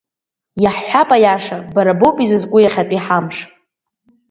Иаҳҳәап аиаша, бара боуп изызку иахьатәи ҳамш.